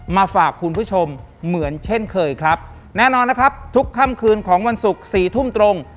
มาฝากคุณผู้ชมเหมือนเช่นเคยครับแน่นอนนะครับทุกค่ำคืนของวันศุกร์สี่ทุ่มตรง